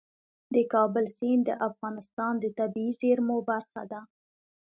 د کابل سیند د افغانستان د طبیعي زیرمو برخه ده.